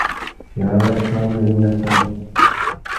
یانگ لہ کھیونگمی اِن نہ سونگ